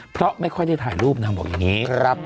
เพราะไม่ค่อยได้ถ่ายรูปนางบอกอย่างนี้